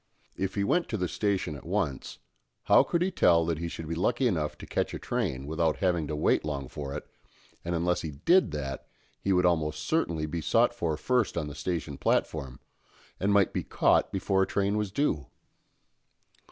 If he went to the station at once, how could he tell that he should be lucky enough to catch a train without having to wait long for it, and unless he did that, he would almost certainly be sought for first on the station platform, and might be caught before a train was due?